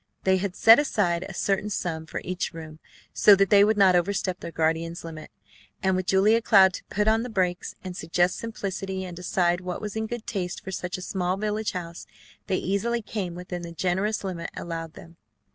They had set aside a certain sum for each room so that they would not overstep their guardian's limit, and with Julia Cloud to put on the brakes, and suggest simplicity, and decide what was in good taste for such a small village house, they easily came within the generous limit allowed them.